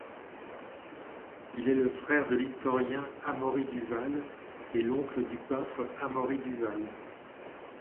Il est le frère de l'historien Amaury Duval et l’oncle du peintre Amaury-Duval.